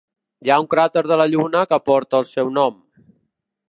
Hi ha un cràter de la Lluna que porta el seu nom.